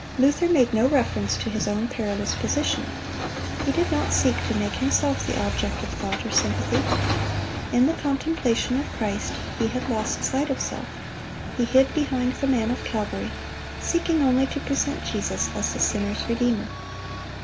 Luther made no reference to his own perilous position. He did not seek to make himself the object of thought or sympathy. In the contemplation of Christ, he had lost sight of self. He hid behind the Man of Calvary, seeking only to present Jesus as the sinner's Redeemer.